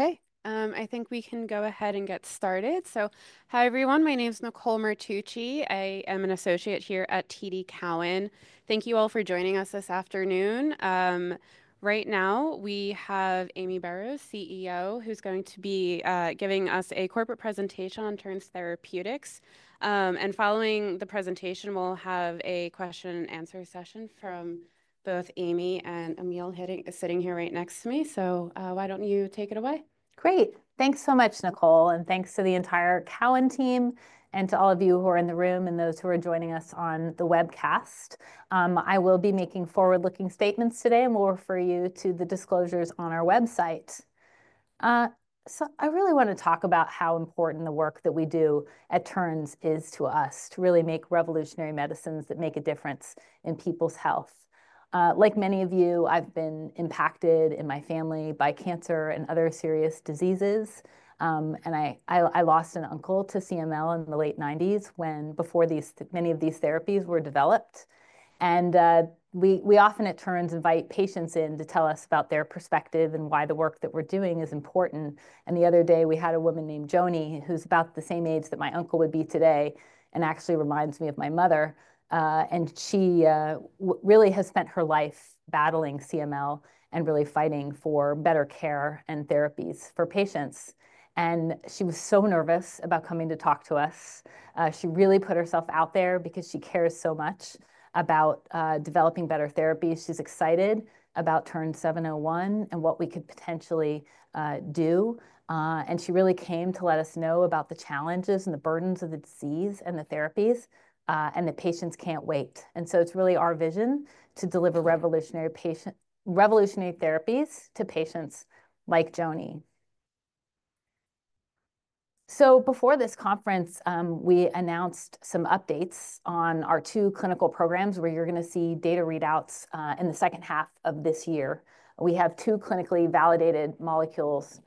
Okay, I think we can go ahead and get started. Hi everyone, my name is Nicole Martucci. I am an associate here at TD Cowen. Thank you all for joining us this afternoon. Right now, we have Amy Burroughs, CEO, who's going to be giving us a corporate presentation on Terns Pharmaceuticals. Following the presentation, we'll have a question-and-answer session from both Amy and Emil sitting here right next to me. Why don't you take it away? Great. Thanks so much, Nicole, and thanks to the entire TD Cowen team and to all of you who are in the room and those who are joining us on the webcast. I will be making forward-looking statements today, and we'll refer you to the disclosures on our website. I really want to talk about how important the work that we do at Terns is to us, to really make revolutionary medicines that make a difference in people's health. Like many of you, I've been impacted in my family by cancer and other serious diseases. I lost an uncle to CML in the late 1990s when many of these therapies were developed. We often, at Terns, invite patients in to tell us about their perspective and why the work that we're doing is important. The other day, we had a woman named Joanie, who's about the same age that my uncle would be today, and actually reminds me of my mother. She really has spent her life battling CML and really fighting for better care and therapies for patients. She was so nervous about coming to talk to us. She really put herself out there because she cares so much about developing better therapies. She's excited about TERN-701 and what we could potentially do. She really came to let us know about the challenges and the burdens of the disease and the therapies, and that patients can't wait. It is really our vision to deliver revolutionary therapies to patients like Joanie. Before this conference, we announced some updates on our two clinical programs where you're going to see data readouts in the second half of this year. We have two clinically validated molecules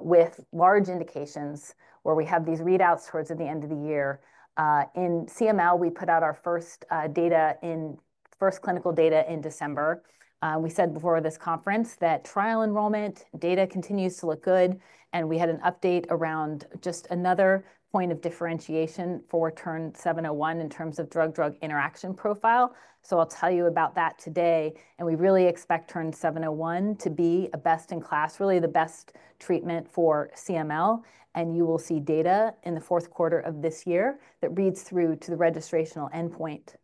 with large indications where we have these readouts towards the end of the year. In CML, we put out our first clinical data in December. We said before this conference that trial enrollment data continues to look good, and we had an update around just another point of differentiation for TERN-701 in terms of drug-drug interaction profile. I will tell you about that today. We really expect TERN-701 to be a best-in-class, really the best treatment for CML. You will see data in the fourth quarter of this year that reads through to the registrational endpoint.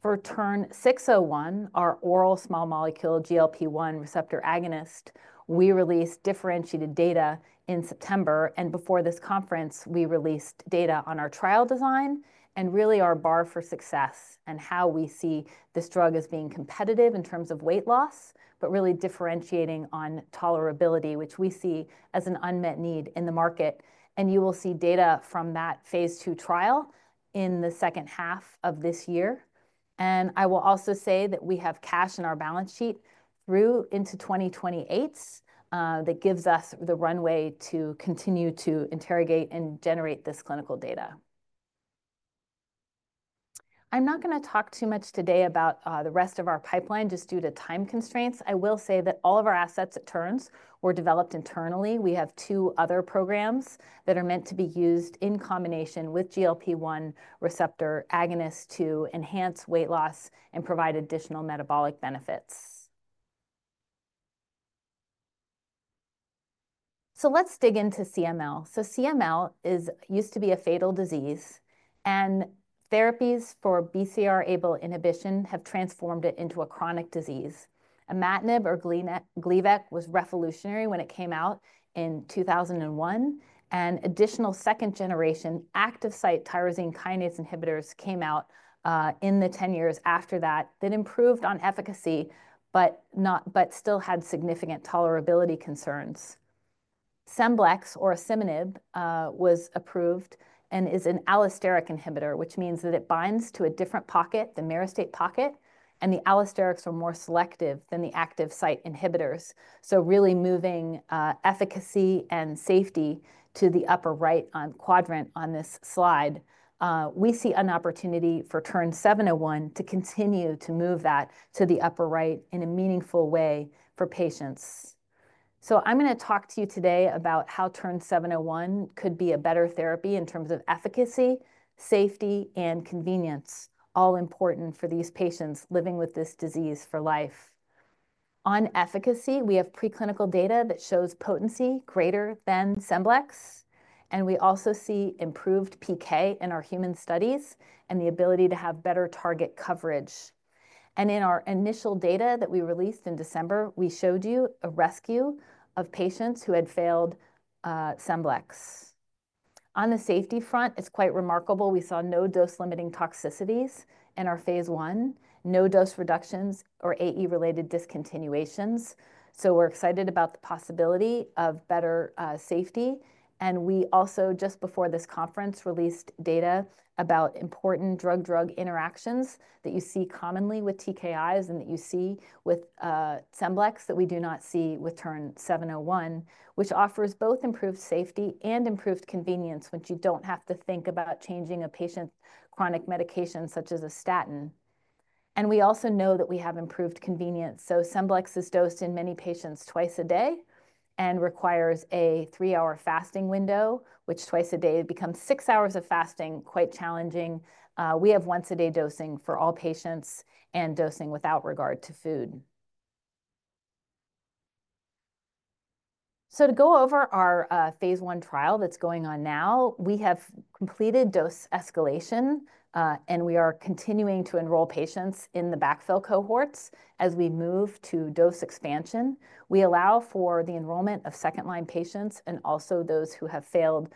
For TERN-601, our oral small-molecule GLP-1 receptor agonist, we released differentiated data in September. Before this conference, we released data on our trial design and really our bar for success and how we see this drug as being competitive in terms of weight loss, but really differentiating on tolerability, which we see as an unmet need in the market. You will see data from that phase two trial in the second half of this year. I will also say that we have cash in our balance sheet through into 2028 that gives us the runway to continue to interrogate and generate this clinical data. I'm not going to talk too much today about the rest of our pipeline just due to time constraints. I will say that all of our assets at Terns were developed internally. We have two other programs that are meant to be used in combination with GLP-1 receptor agonists to enhance weight loss and provide additional metabolic benefits. Let's dig into CML. CML used to be a fatal disease, and therapies for BCR-ABL inhibition have transformed it into a chronic disease. Imatinib or Gleevec was revolutionary when it came out in 2001, and additional second-generation active-site tyrosine kinase inhibitors came out in the 10 years after that that improved on efficacy, but still had significant tolerability concerns. SCEMBLIX, or Asciminib, was approved and is an allosteric inhibitor, which means that it binds to a different pocket, the myristate pocket, and the allosterics are more selective than the active-site inhibitors. Really moving efficacy and safety to the upper right quadrant on this slide, we see an opportunity for TERN-701 to continue to move that to the upper right in a meaningful way for patients. I'm going to talk to you today about how TERN-701 could be a better therapy in terms of efficacy, safety, and convenience, all important for these patients living with this disease for life. On efficacy, we have preclinical data that shows potency greater than SCEMBLIX, and we also see improved PK in our human studies and the ability to have better target coverage. In our initial data that we released in December, we showed you a rescue of patients who had failed SCEMBLIX. On the safety front, it's quite remarkable. We saw no dose-limiting toxicities in our phase one, no dose reductions or AE-related discontinuations. We're excited about the possibility of better safety. We also, just before this conference, released data about important drug-drug interactions that you see commonly with TKIs and that you see with Asciminib that we do not see with TERN-701, which offers both improved safety and improved convenience when you do not have to think about changing a patient's chronic medication such as a statin. We also know that we have improved convenience. Asciminib is dosed in many patients twice a day and requires a three-hour fasting window, which twice a day becomes six hours of fasting, quite challenging. We have once-a-day dosing for all patients and dosing without regard to food. To go over our phase one trial that is going on now, we have completed dose escalation, and we are continuing to enroll patients in the backfill cohorts as we move to dose expansion. We allow for the enrollment of second-line patients and also those who have failed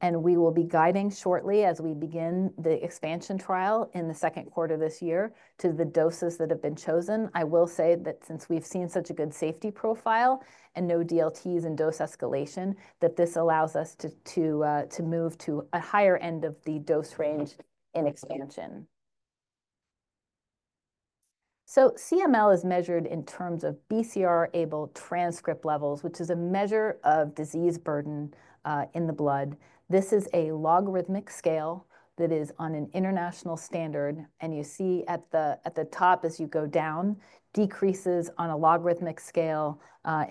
asciminib. We will be guiding shortly as we begin the expansion trial in the second quarter of this year to the doses that have been chosen. I will say that since we've seen such a good safety profile and no DLTs in dose escalation, this allows us to move to a higher end of the dose range in expansion. CML is measured in terms of BCR-ABL transcript levels, which is a measure of disease burden in the blood. This is a logarithmic scale that is on an international standard. You see at the top, as you go down, decreases on a logarithmic scale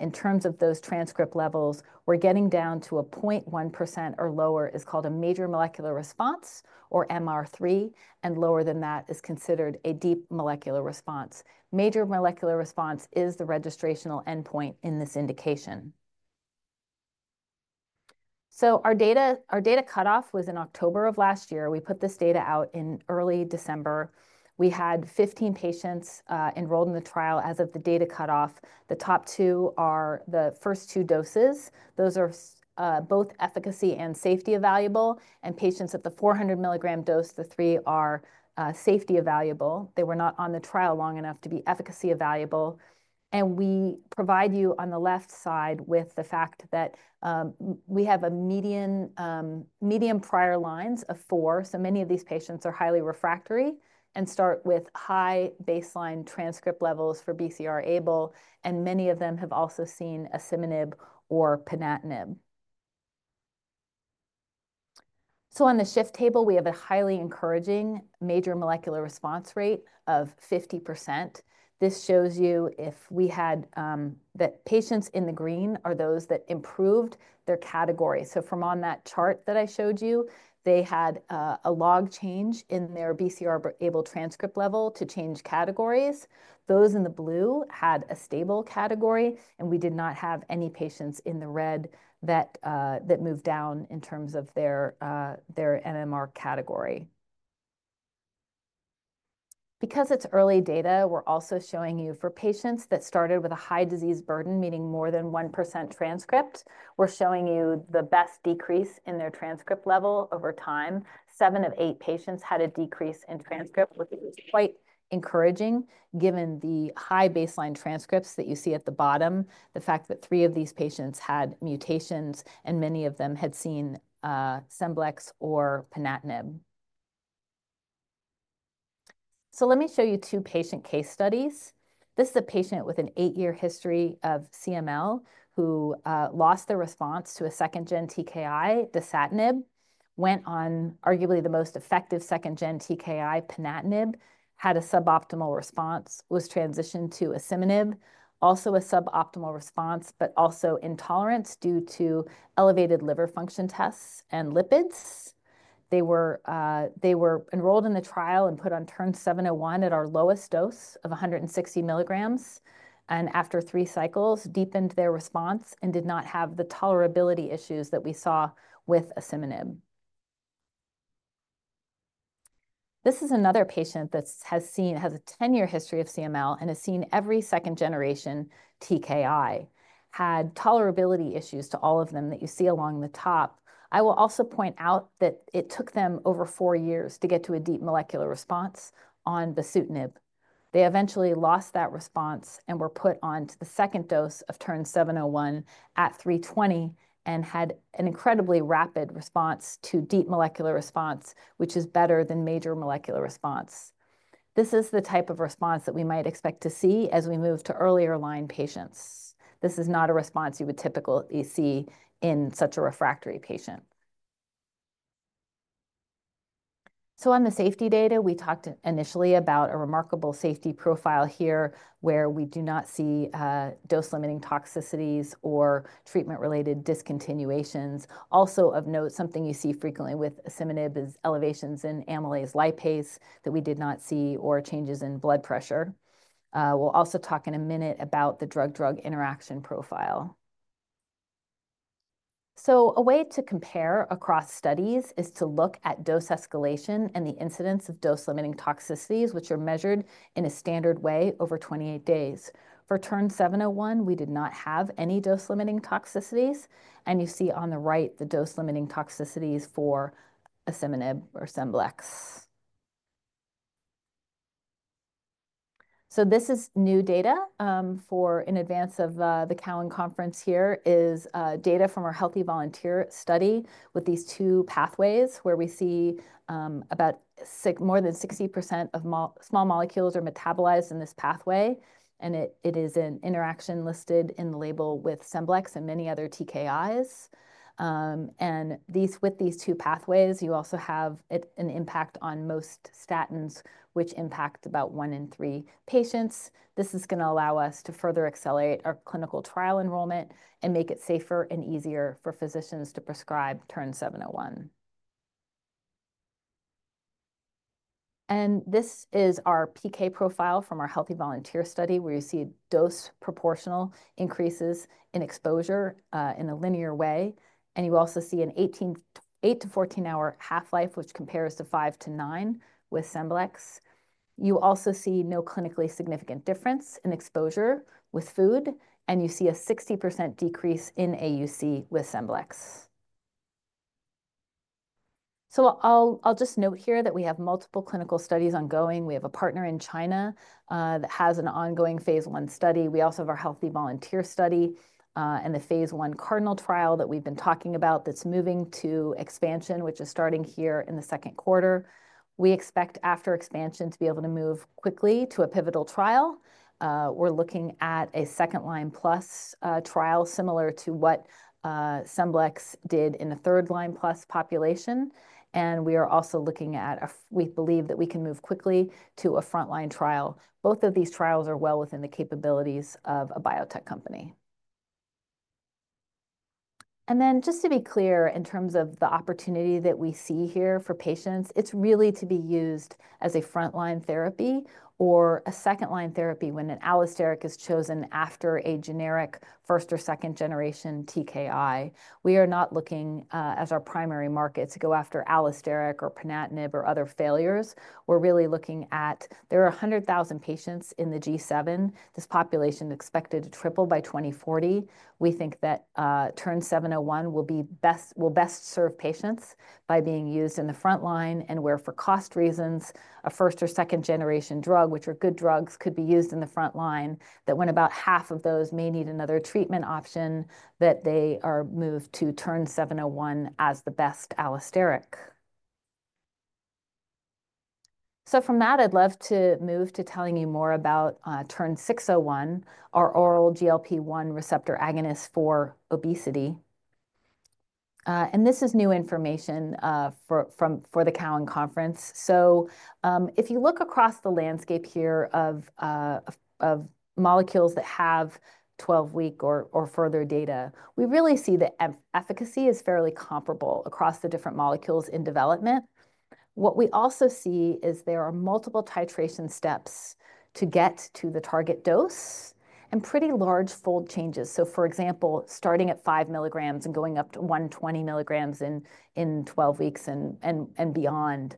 in terms of those transcript levels. We're getting down to a 0.1% or lower is called a major molecular response or MR3, and lower than that is considered a deep molecular response. Major molecular response is the registrational endpoint in this indication. Our data cutoff was in October of last year. We put this data out in early December. We had 15 patients enrolled in the trial as of the data cutoff. The top two are the first two doses. Those are both efficacy and safety evaluable, and patients at the 400 milligram dose, the three are safety evaluable. They were not on the trial long enough to be efficacy evaluable. We provide you on the left side with the fact that we have a median prior lines of four. Many of these patients are highly refractory and start with high baseline transcript levels for BCR-ABL, and many of them have also seen Asciminib or Ponatinib. On the shift table, we have a highly encouraging major molecular response rate of 50%. This shows you if we had that patients in the green are those that improved their category. From that chart that I showed you, they had a log change in their BCR-ABL transcript level to change categories. Those in the blue had a stable category, and we did not have any patients in the red that moved down in terms of their MMR category. Because it's early data, we're also showing you for patients that started with a high disease burden, meaning more than 1% transcript, we're showing you the best decrease in their transcript level over time. Seven of eight patients had a decrease in transcript, which is quite encouraging given the high baseline transcripts that you see at the bottom, the fact that three of these patients had mutations and many of them had seen Asciminib or Ponatinib. Let me show you two patient case studies. This is a patient with an eight-year history of CML who lost their response to a second-gen TKI, Dasatinib, went on arguably the most effective second-gen TKI, Ponatinib, had a suboptimal response, was transitioned to Asciminib, also a suboptimal response, but also intolerance due to elevated liver function tests and lipids. They were enrolled in the trial and put on TERN-701 at our lowest dose of 160 milligrams. After three cycles, deepened their response and did not have the tolerability issues that we saw with Asciminib. This is another patient that has a 10-year history of CML and has seen every second-generation TKI, had tolerability issues to all of them that you see along the top. I will also point out that it took them over four years to get to a deep molecular response on Bosutinib. They eventually lost that response and were put on to the second dose of TERN-701 at 320 and had an incredibly rapid response to deep molecular response, which is better than major molecular response. This is the type of response that we might expect to see as we move to earlier line patients. This is not a response you would typically see in such a refractory patient. On the safety data, we talked initially about a remarkable safety profile here where we do not see dose-limiting toxicities or treatment-related discontinuations. Also, of note, something you see frequently with Asciminib is elevations in amylase, lipase that we did not see, or changes in blood pressure. We'll also talk in a minute about the drug-drug interaction profile. A way to compare across studies is to look at dose escalation and the incidence of dose-limiting toxicities, which are measured in a standard way over 28 days. For TERN-701, we did not have any dose-limiting toxicities. You see on the right the dose-limiting toxicities for Asciminib or SCEMBLIX. This is new data in advance of the Cowen Conference. Here is data from our Healthy Volunteer study with these two pathways where we see about more than 60% of small molecules are metabolized in this pathway. It is an interaction listed in the label with SCEMBLIX and many other TKIs. With these two pathways, you also have an impact on most statins, which impact about one in three patients. This is going to allow us to further accelerate our clinical trial enrollment and make it safer and easier for physicians to prescribe TERN-701. This is our PK profile from our healthy volunteer study where you see dose-proportional increases in exposure in a linear way. You also see an 8-14 hour half-life, which compares to 5-9 with Asciminib. You also see no clinically significant difference in exposure with food, and you see a 60% decrease in AUC with Asciminib. I will just note here that we have multiple clinical studies ongoing. We have a partner in China that has an ongoing phase one study. We also have our Healthy Volunteer study and the phase I Cardinal trial that we've been talking about that's moving to expansion, which is starting here in the second quarter. We expect after expansion to be able to move quickly to a pivotal trial. We're looking at a second-line plus trial similar to what SCEMBLIX did in a third-line plus population. We are also looking at, we believe, that we can move quickly to a front-line trial. Both of these trials are well within the capabilities of a biotech company. Just to be clear in terms of the opportunity that we see here for patients, it's really to be used as a front-line therapy or a second-line therapy when an allosteric is chosen after a generic first or second-generation TKI. We are not looking as our primary market to go after allosteric or Ponatinib or other failures. We're really looking at, there are 100,000 patients in the G7. This population is expected to triple by 2040. We think that TERN-701 will best serve patients by being used in the front line and where for cost reasons, a first or second-generation drug, which are good drugs, could be used in the front line that when about half of those may need another treatment option, that they are moved to TERN-701 as the best allosteric. From that, I'd love to move to telling you more about TERN-601, our oral GLP-1 receptor agonist for obesity. This is new information for the Cowen Conference. If you look across the landscape here of molecules that have 12-week or further data, we really see the efficacy is fairly comparable across the different molecules in development. What we also see is there are multiple titration steps to get to the target dose and pretty large fold changes. For example, starting at 5 milligrams and going up to 120 milligrams in 12 weeks and beyond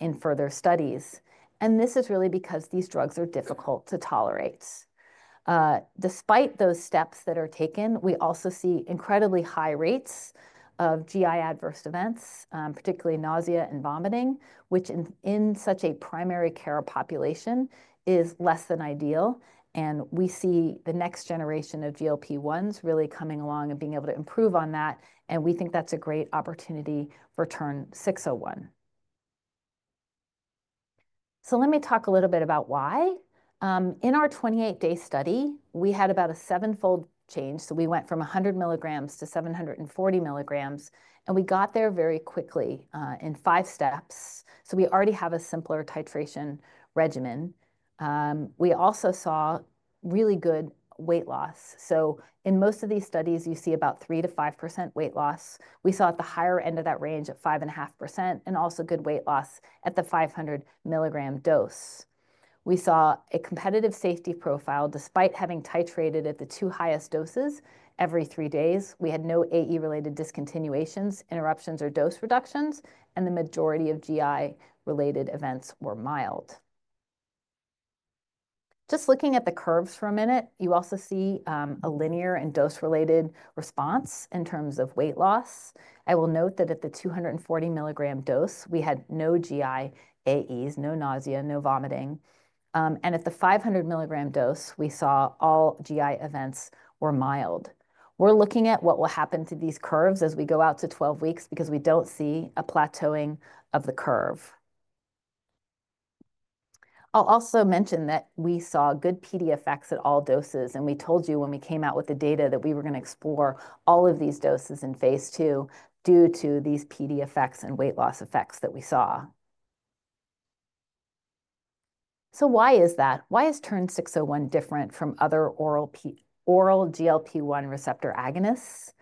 in further studies. This is really because these drugs are difficult to tolerate. Despite those steps that are taken, we also see incredibly high rates of GI adverse events, particularly nausea and vomiting, which in such a primary care population is less than ideal. We see the next generation of GLP-1s really coming along and being able to improve on that. We think that's a great opportunity for TERN-601. Let me talk a little bit about why. In our 28-day study, we had about a seven-fold change. We went from 100 milligrams to 740 milligrams, and we got there very quickly in five steps. We already have a simpler titration regimen. We also saw really good weight loss. In most of these studies, you see about 3-5% weight loss. We saw at the higher end of that range at 5.5% and also good weight loss at the 500 milligram dose. We saw a competitive safety profile despite having titrated at the two highest doses every three days. We had no AE-related discontinuations, interruptions, or dose reductions, and the majority of GI-related events were mild. Just looking at the curves for a minute, you also see a linear and dose-related response in terms of weight loss. I will note that at the 240 milligram dose, we had no GI AEs, no nausea, no vomiting. At the 500 milligram dose, we saw all GI events were mild. We're looking at what will happen to these curves as we go out to 12 weeks because we don't see a plateauing of the curve. I'll also mention that we saw good PD effects at all doses. We told you when we came out with the data that we were going to explore all of these doses in phase II due to these PD effects and weight loss effects that we saw. Why is that? Why is TERN-601 different from other oral GLP-1 receptor agonists?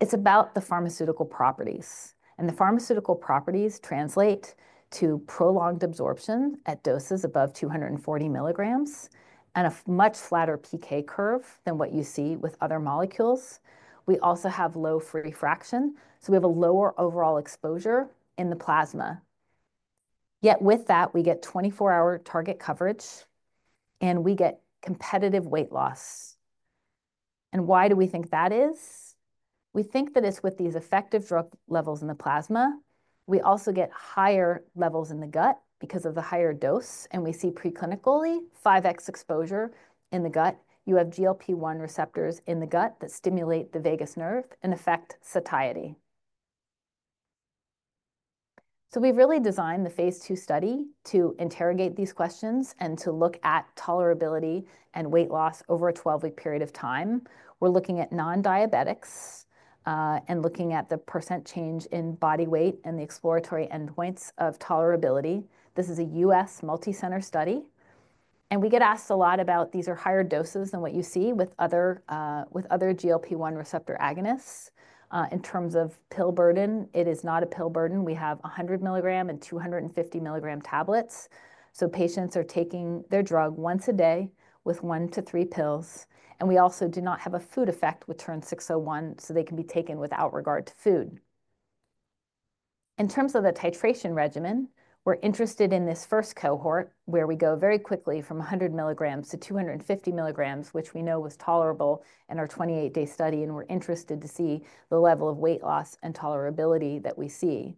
It's about the pharmaceutical properties. The pharmaceutical properties translate to prolonged absorption at doses above 240 milligrams and a much flatter PK curve than what you see with other molecules. We also have low refraction. We have a lower overall exposure in the plasma. Yet with that, we get 24-hour target coverage, and we get competitive weight loss. Why do we think that is? We think that it's with these effective drug levels in the plasma. We also get higher levels in the gut because of the higher dose. We see preclinically 5x exposure in the gut. You have GLP-1 receptors in the gut that stimulate the vagus nerve and affect satiety. We have really designed the phase II study to interrogate these questions and to look at tolerability and weight loss over a 12-week period of time. We are looking at non-diabetics and looking at the % change in body weight and the exploratory endpoints of tolerability. This is a U.S. multicenter study. We get asked a lot about these being higher doses than what you see with other GLP-1 receptor agonists. In terms of pill burden, it is not a pill burden. We have 100 mg and 250 mg tablets. Patients are taking their drug once a day with one to three pills. We also do not have a food effect with TERN-601, so they can be taken without regard to food. In terms of the titration regimen, we're interested in this first cohort where we go very quickly from 100 mg to 250 mg, which we know was tolerable in our 28-day study. We're interested to see the level of weight loss and tolerability that we see.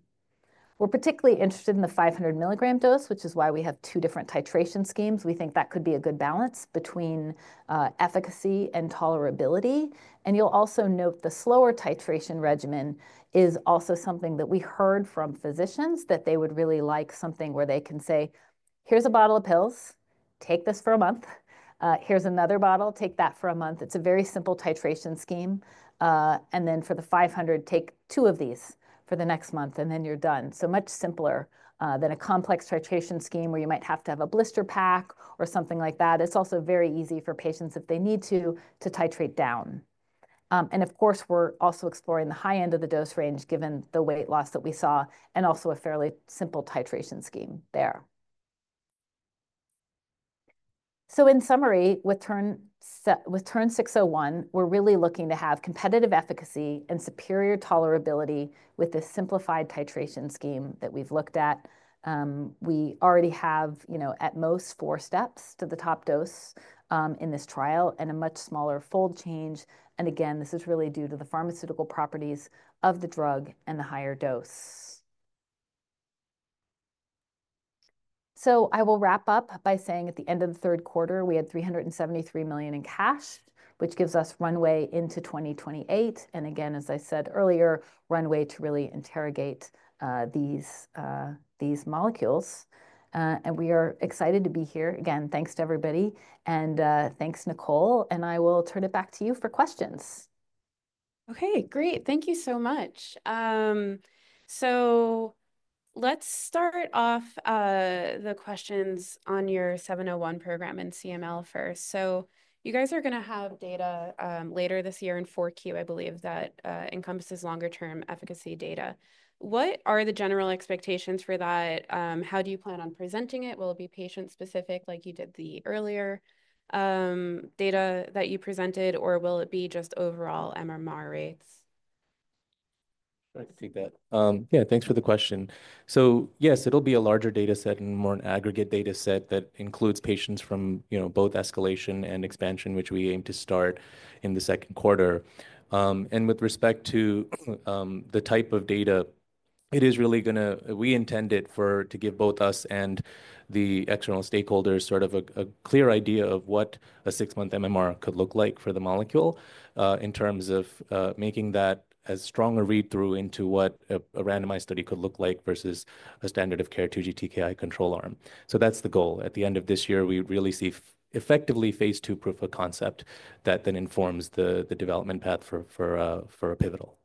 We're particularly interested in the 500 mg dose, which is why we have two different titration schemes. We think that could be a good balance between efficacy and tolerability. You'll also note the slower titration regimen is also something that we heard from physicians that they would really like, something where they can say, "Here's a bottle of pills. Take this for a month. Here's another bottle. Take that for a month. It's a very simple titration scheme. For the 500, take two of these for the next month, and then you're done. Much simpler than a complex titration scheme where you might have to have a blister pack or something like that. It's also very easy for patients if they need to to titrate down. Of course, we're also exploring the high end of the dose range given the weight loss that we saw and also a fairly simple titration scheme there. In summary, with TERN-601, we're really looking to have competitive efficacy and superior tolerability with this simplified titration scheme that we've looked at. We already have, you know, at most four steps to the top dose in this trial and a much smaller fold change. This is really due to the pharmaceutical properties of the drug and the higher dose. I will wrap up by saying at the end of the third quarter, we had $373 million in cash, which gives us runway into 2028. As I said earlier, runway to really interrogate these molecules. We are excited to be here. Thanks to everybody. Thanks, Nicole. I will turn it back to you for questions. Okay, great. Thank you so much. Let's start off the questions on your 701 program in CML first. You guys are going to have data later this year in Q4, I believe, that encompasses longer-term efficacy data. What are the general expectations for that? How do you plan on presenting it? Will it be patient-specific like you did the earlier data that you presented, or will it be just overall MMR rates? I can take that. Yeah, thanks for the question. Yes, it'll be a larger data set and more an aggregate data set that includes patients from, you know, both escalation and expansion, which we aim to start in the second quarter. With respect to the type of data, it is really going to, we intend it to give both us and the external stakeholders sort of a clear idea of what a six-month MMR could look like for the molecule in terms of making that as strong a read-through into what a randomized study could look like versus a standard of care 2G TKI control arm. That's the goal. At the end of this year, we really see effectively phase II proof of concept that then informs the development path for a pivotal.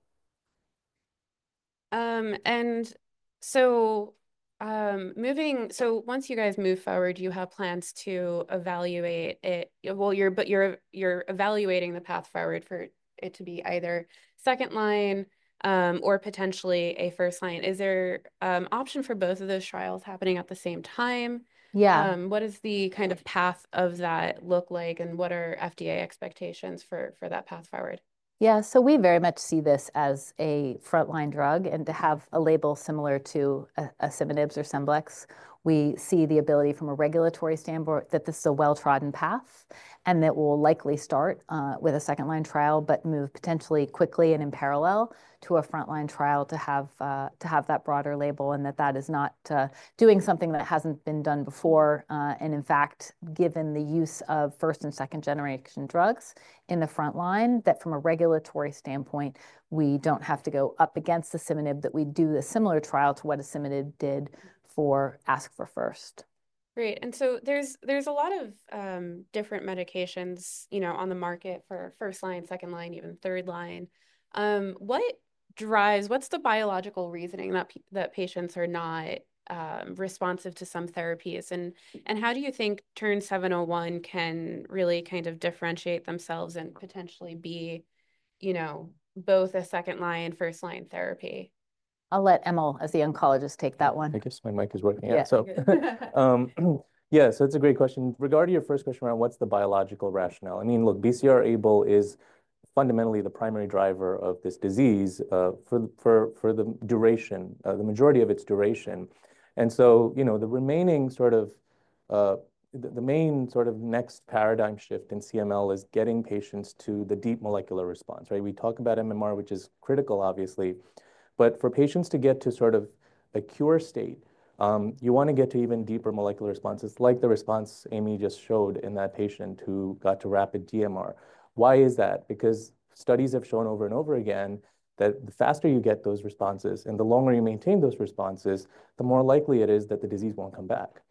Moving, once you guys move forward, you have plans to evaluate it. Well, you're evaluating the path forward for it to be either second line or potentially a first line. Is there an option for both of those trials happening at the same time? Yeah. What is the kind of path of that look like? What are FDA expectations for that path forward? Yeah, so we very much see this as a front-line drug. To have a label similar to Asciminib or SCEMBLIX, we see the ability from a regulatory standpoint that this is a well-trodden path and that will likely start with a second-line trial, but move potentially quickly and in parallel to a front-line trial to have that broader label and that that is not doing something that has not been done before. In fact, given the use of first and second-generation drugs in the front line, from a regulatory standpoint, we do not have to go up against Asciminib, that we do a similar trial to what Asciminib did for Ask for First. Great. There are a lot of different medications, you know, on the market for first line, second line, even third line. What drives, what is the biological reasoning that patients are not responsive to some therapies? How do you think Terns 701 can really kind of differentiate themselves and potentially be, you know, both a second-line and first-line therapy? I'll let Emil, as the oncologist, take that one. I guess my mic is working out. Yeah, it's a great question. Regarding your first question around what's the biological rationale? I mean, look, BCR-ABL is fundamentally the primary driver of this disease for the duration, the majority of its duration. You know, the remaining sort of the main sort of next paradigm shift in CML is getting patients to the deep molecular response, right? We talk about MMR, which is critical, obviously. For patients to get to sort of a cure state, you want to get to even deeper molecular responses like the response Amy just showed in that patient who got to rapid DMR. Why is that? Because studies have shown over and over again that the faster you get those responses and the longer you maintain those responses, the more likely it is that the disease won't come back.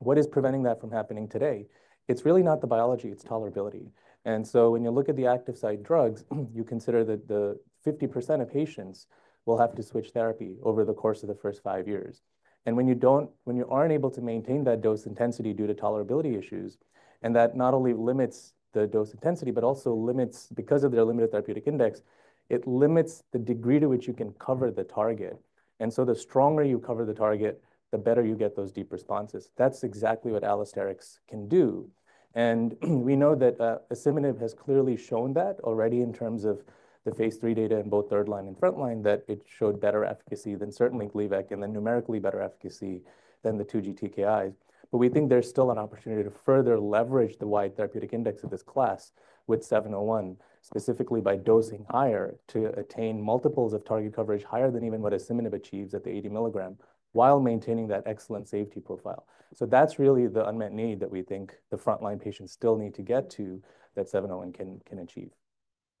What is preventing that from happening today? It's really not the biology, it's tolerability. When you look at the active site drugs, you consider that 50% of patients will have to switch therapy over the course of the first five years. When you aren't able to maintain that dose intensity due to tolerability issues, that not only limits the dose intensity, but also limits, because of their limited therapeutic index, the degree to which you can cover the target. The stronger you cover the target, the better you get those deep responses. That's exactly what allosterics can do. We know that asciminib has clearly shown that already in terms of the phase III data in both third line and front line that it showed better efficacy than certainly Gleevec and then numerically better efficacy than the 2G TKIs. We think there's still an opportunity to further leverage the wide therapeutic index of this class with 701, specifically by dosing higher to attain multiples of target coverage higher than even what asciminib achieves at the 80 milligram while maintaining that excellent safety profile. That's really the unmet need that we think the front line patients still need to get to that 701 can achieve.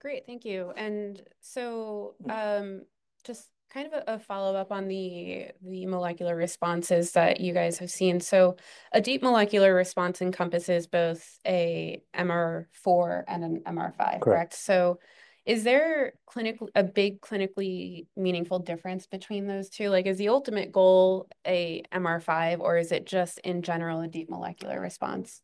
Great. Thank you. Just kind of a follow-up on the molecular responses that you guys have seen. A deep molecular response encompasses both an MR4 and an MR5, correct? Correct. Is there a big clinically meaningful difference between those two? Like, is the ultimate goal an MR5, or is it just in general a deep molecular response?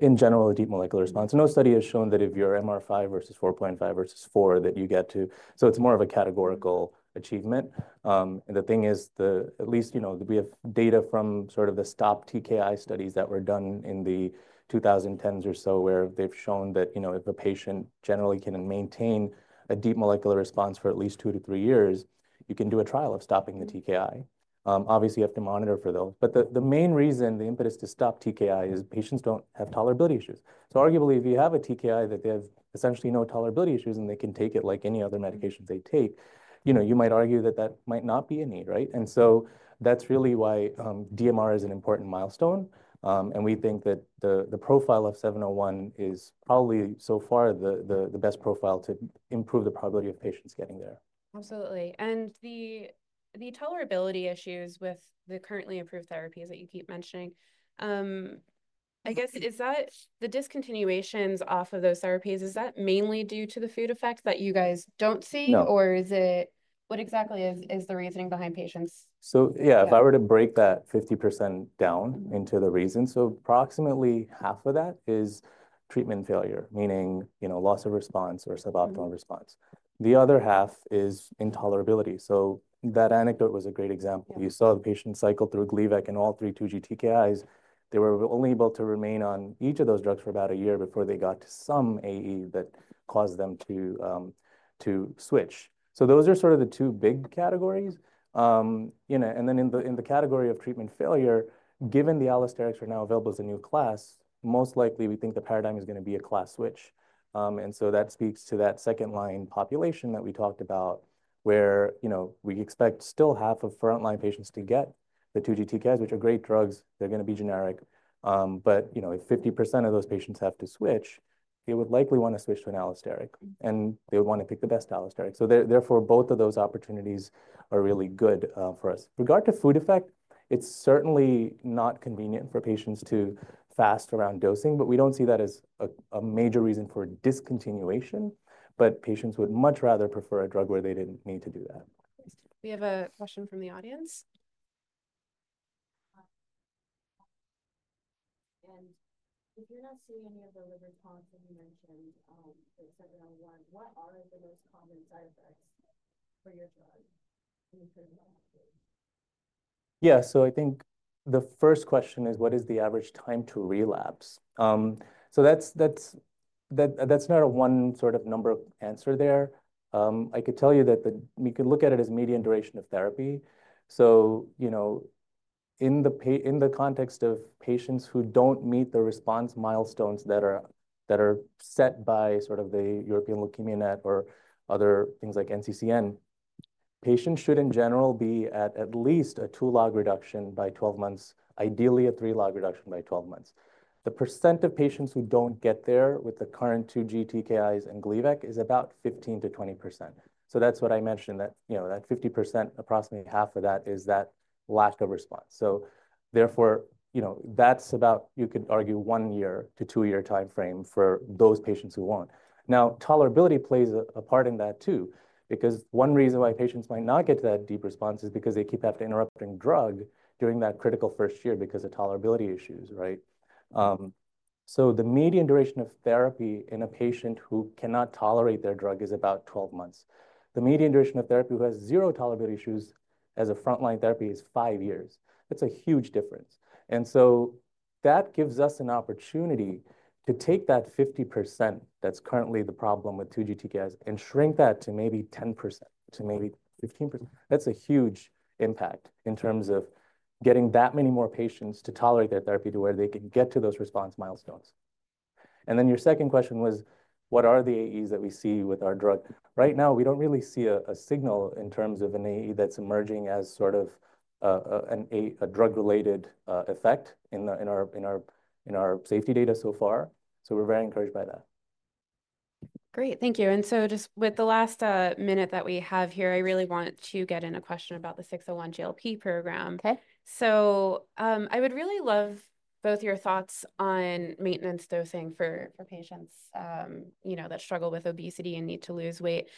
In general, a deep molecular response. No study has shown that if you're MR5 versus 4.5 versus 4 that you get to. It is more of a categorical achievement. The thing is, at least, you know, we have data from sort of the stop TKI studies that were done in the 2010s or so where they've shown that, you know, if a patient generally can maintain a deep molecular response for at least two to three years, you can do a trial of stopping the TKI. Obviously, you have to monitor for those. The main reason, the impetus to stop TKI is patients do not have tolerability issues. Arguably, if you have a TKI that they have essentially no tolerability issues and they can take it like any other medication they take, you know, you might argue that that might not be a need, right? That is really why DMR is an important milestone. We think that the profile of 701 is probably so far the best profile to improve the probability of patients getting there. Absolutely. The tolerability issues with the currently approved therapies that you keep mentioning, I guess, is that the discontinuations off of those therapies, is that mainly due to the food effect that you guys do not see? Or is it, what exactly is the reasoning behind patients? If I were to break that 50% down into the reasons, approximately half of that is treatment failure, meaning, you know, loss of response or suboptimal response. The other half is intolerability. That anecdote was a great example. You saw the patient cycle through Gleevec and all three 2G TKIs. They were only able to remain on each of those drugs for about a year before they got to some AE that caused them to switch. Those are sort of the two big categories. In the category of treatment failure, given the allosterics are now available as a new class, most likely we think the paradigm is going to be a class switch. That speaks to that second line population that we talked about where, you know, we expect still half of front line patients to get the 2G TKIs, which are great drugs. They're going to be generic. If 50% of those patients have to switch, they would likely want to switch to an allosteric. They would want to pick the best allosteric. Therefore, both of those opportunities are really good for us. Regarding food effect, it's certainly not convenient for patients to fast around dosing, but we don't see that as a major reason for discontinuation. Patients would much rather prefer a drug where they didn't need to do that. We have a question from the audience. If you're not seeing any of the liver problems that you mentioned for 701, what are the most common side effects for your drug? I think the first question is, what is the average time to relapse? That's not a one sort of number answer there. I could tell you that we could look at it as median duration of therapy. You know, in the context of patients who do not meet the response milestones that are set by sort of the European Leukemia Net or other things like NCCN, patients should in general be at at least a two log reduction by 12 months, ideally a three log reduction by 12 months. The percent of patients who do not get there with the current 2G TKIs and Gleevec is about 15%-20%. That is what I mentioned, that, you know, that 50%, approximately half of that is that lack of response. Therefore, you know, that is about, you could argue one year to two year timeframe for those patients who will not. Now, tolerability plays a part in that too, because one reason why patients might not get to that deep response is because they keep having to interrupt a drug during that critical first year because of tolerability issues, right? The median duration of therapy in a patient who cannot tolerate their drug is about 12 months. The median duration of therapy who has zero tolerability issues as a front line therapy is five years. That is a huge difference. That gives us an opportunity to take that 50% that is currently the problem with 2G TKIs and shrink that to maybe 10%, to maybe 15%. That is a huge impact in terms of getting that many more patients to tolerate their therapy to where they can get to those response milestones. Your second question was, what are the AEs that we see with our drug? Right now, we do not really see a signal in terms of an AE that is emerging as sort of a drug-related effect in our safety data so far. We are very encouraged by that. Great. Thank you. Just with the last minute that we have here, I really want to get in a question about the 601 GLP program. Okay. I would really love both your thoughts on maintenance dosing for patients, you know, that struggle with obesity and need to lose weight.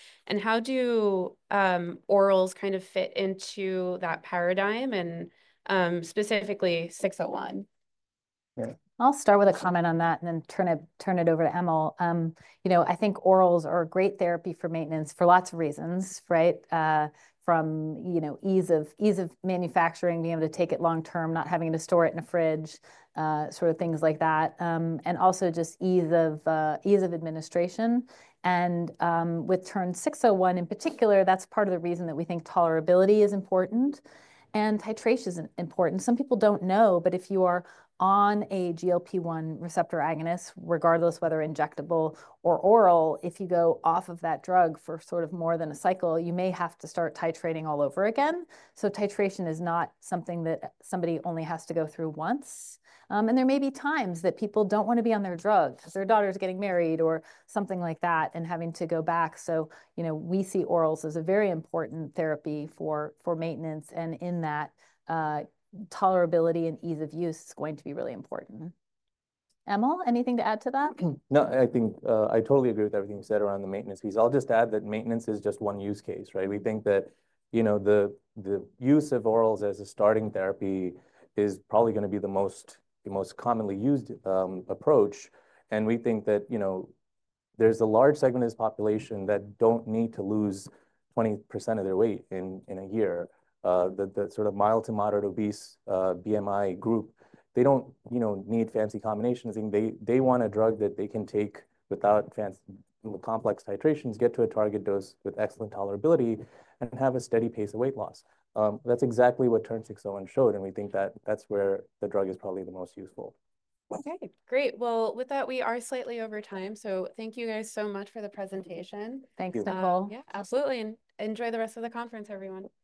How do orals kind of fit into that paradigm and specifically 601? Yeah. I'll start with a comment on that and then turn it over to Emil. You know, I think orals are a great therapy for maintenance for lots of reasons, right? From, you know, ease of manufacturing, being able to take it long term, not having to store it in a fridge, sort of things like that. Also just ease of administration. With Terns 601 in particular, that's part of the reason that we think tolerability is important and titration is important. Some people do not know, but if you are on a GLP-1 receptor agonist, regardless whether injectable or oral, if you go off of that drug for sort of more than a cycle, you may have to start titrating all over again. Titration is not something that somebody only has to go through once. There may be times that people do not want to be on their drug because their daughter's getting married or something like that and having to go back. You know, we see orals as a very important therapy for maintenance. In that, tolerability and ease of use is going to be really important. Emil, anything to add to that? No, I think I totally agree with everything you said around the maintenance piece. I will just add that maintenance is just one use case, right? We think that, you know, the use of orals as a starting therapy is probably going to be the most commonly used approach. We think that, you know, there's a large segment of this population that do not need to lose 20% of their weight in a year. That sort of mild to moderate obese BMI group, they do not, you know, need fancy combinations. They want a drug that they can take without complex titrations, get to a target dose with excellent tolerability, and have a steady pace of weight loss. That's exactly what TERN-601 showed. We think that that's where the drug is probably the most useful. Great. With that, we are slightly over time. Thank you guys so much for the presentation. Thanks, Nicole. Yeah, absolutely. Enjoy the rest of the conference, everyone. Thanks.